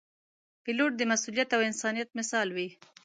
پیلوټ د مسؤلیت او انسانیت مثال وي.